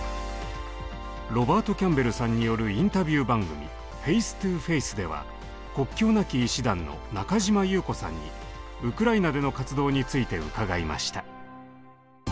ロバート・キャンベルさんによるインタビュー番組「ＦａｃｅＴｏＦａｃｅ」では「国境なき医師団」の中嶋優子さんにウクライナでの活動について伺いました。